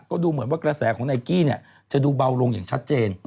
ก็ดูเหมือนว่ากระแสของไนกี้จะดูเบาลงอย่างชัดเจน